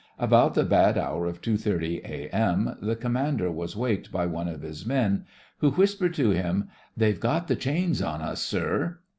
About the bad hour of 2.30 a.m. the commander was waked by one of his men, who whis pered to him: "They've got the chains on us, sir!"